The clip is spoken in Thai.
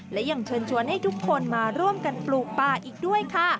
และยังเชิญชวนให้ทุกคนมาร่วมกันปลูกป่าอีกด้วยค่ะ